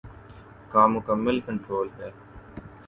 کا مکمل کنٹرول ہے۔